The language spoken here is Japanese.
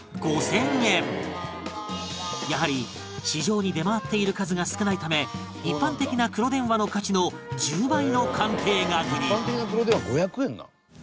やはり市場に出回っている数が少ないため一般的な黒電話の価値の１０倍の鑑定額に